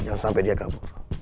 jangan sampai dia kabur